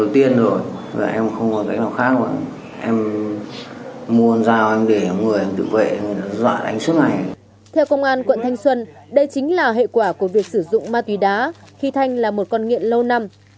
theo công an quận thanh xuân đây chính là hệ quả của việc sử dụng ma túy đá khi thanh là một con nghiện lâu năm